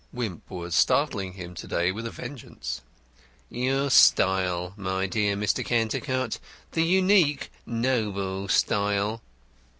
Wimp was startling him to day with a vengeance. "Your style, my dear Mr. Cantercot. The unique, noble style."